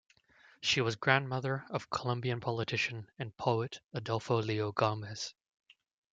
She was grandmother of Colombian politician and poet Adolfo Leon Gomez.